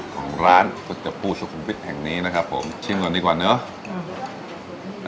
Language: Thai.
ของร้านก๋วยเตียปูสุขุมวิทย์แห่งนี้นะครับผมชิมก่อนดีกว่าเนอะ